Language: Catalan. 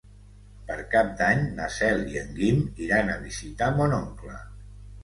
Per Cap d'Any na Cel i en Guim iran a visitar mon oncle.